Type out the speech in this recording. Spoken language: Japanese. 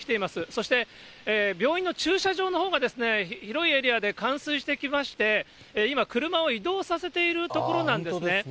そして病院の駐車場のほうがですね、広いエリアで冠水してきまして、今、車を移動させているところなんですね。